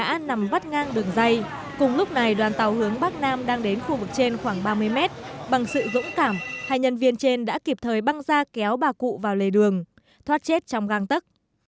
bà cụ lẻn vấp ngã nằm bắt ngang đường dây cùng lúc này đoàn tàu hướng bắc nam đang đến khu vực trên khoảng ba mươi mét bằng sự dũng cảm hai nhân viên trên đã kịp thời băng ra kéo bà cụ vào lề đường thoát chết trong găng tất